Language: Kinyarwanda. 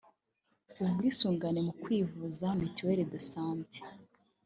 ubwisungane mu kwivuza (mutuelle de santé)